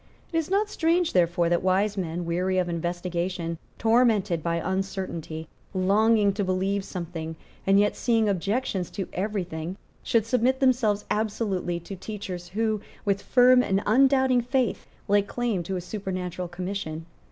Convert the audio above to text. It is not strange, therefore, that wise men, weary of investigation, tormented by uncertainty, longing to believe something, and yet seeing objections to every thing, should submit themselves absolutely to teachers who, with firm and undoubting faith, lay claim to a supernatural commission.